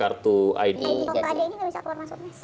kalau nggak ada ini nggak bisa keluar masuknya sih